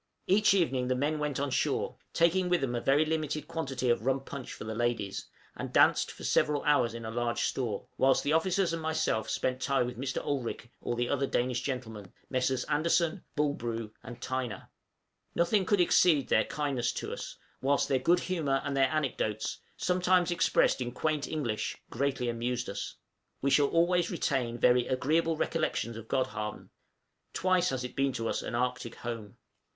Each evening the men went on shore, taking with them a very limited quantity of rum punch for the ladies, and danced for several hours in a large store; whilst the officers and myself spent the time with Mr. Olrik or the other Danish gentlemen Messrs. Andersen, Bulbrue, and Tyner. Nothing could exceed their kindness to us, whilst their good humor and their anecdotes, sometimes expressed in quaint English, greatly amused us. We shall always retain very agreeable recollections of Godhavn; twice has it been to us an Arctic home. {PART FROM OUR ESQUIMAUX FRIENDS.